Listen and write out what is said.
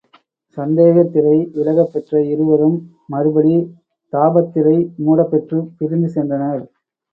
சந்தேகத்திரை விலகப் பெற்ற இருவரும், மறுபடி தாபத்திரை மூடப்பெற்றுப் பிரிந்து சென்றனர்.